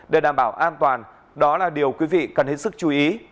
để đảm bảo an toàn đó là điều quý vị cần hết sức chú ý